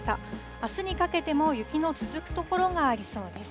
あすにかけても雪の続く所がありそうです。